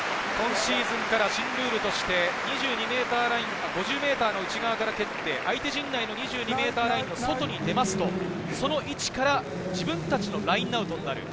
今シーズンから新ルールとして２２ｍライン、５０ｍの内側から蹴って、相手陣内の２２ｍラインの外に出ますと、その位置から自分たちのラインアウトになる。